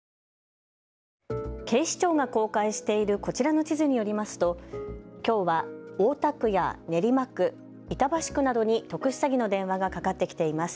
警視庁が公開しているこちらの地図によりますときょうは大田区や練馬区、板橋区などに特殊詐欺の電話がかかってきています。